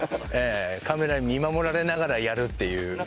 カメラに見守られながらやるっていう。